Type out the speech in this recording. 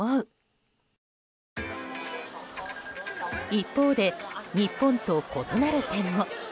一方で、日本と異なる点も。